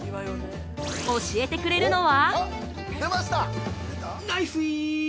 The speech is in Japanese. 教えてくれるのは◆